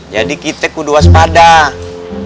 jadi kita kuduas padang